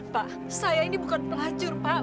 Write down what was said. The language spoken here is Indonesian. pak saya ini bukan pelancur pak